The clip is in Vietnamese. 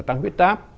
tăng huyết táp